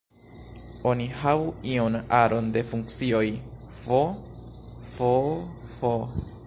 Oni havu iun aron de funkcioj "f", "f"..., "f".